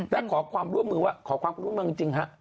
และขอความร่วมมือว่าขอความร่วมมือเมืองจริงฮะ